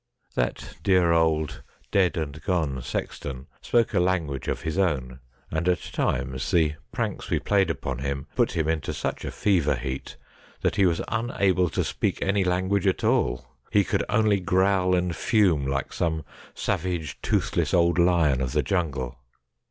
That dear old dead and gone sexton spoke a language of his own, and at times the pranks we played upon him put him into such a fever heat that he was unable to speak any language at all : he could only growl and fume like some savage toothless old lion of the jungle.